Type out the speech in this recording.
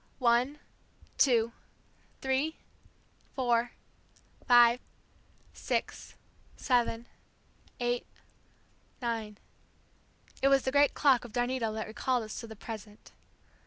One, two, three, four, five, six, seven, eight, nine ... it was the great clock of Darnetal that recalled us to the present.